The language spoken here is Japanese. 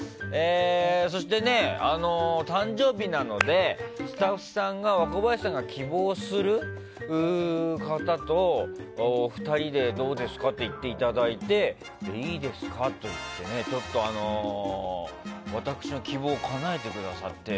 そして、誕生日なのでスタッフさんが若林さんが希望する方と２人でどうですかと言っていただいていいですか？って言って私の希望をかなえてくださって。